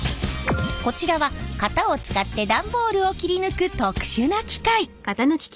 こちらは型を使って段ボールを切り抜く特殊な機械。